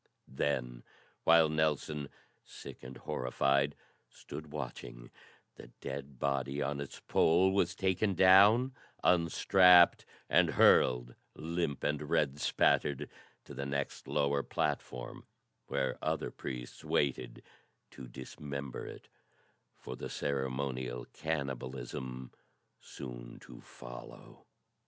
Then while Nelson, sick and horrified, stood watching, the dead body on its pole was taken down, unstrapped, and hurled, limp and red spattered, to the next lower platform where other priests waited to dismember it for the ceremonial cannibalism soon to follow.